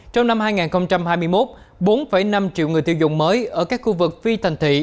trong năm hai nghìn hai mươi một bốn năm triệu người tiêu dùng mới ở các khu vực phi thành thị